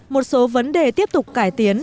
một số vấn đề tiếp tục cải tiến